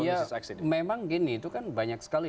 mrs exit memang gini itu kan banyak sekali